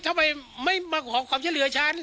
ทำไมไม่มาขอความช่วยเหลือฉัน